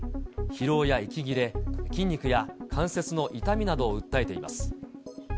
疲労や息切れ、筋肉や関節の痛みなどを訴えています。